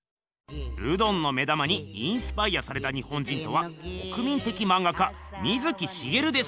ルドンの目玉にインスパイアされた日本人とは国民的まんが家水木しげるです。